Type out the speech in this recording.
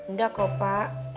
nggak kok pak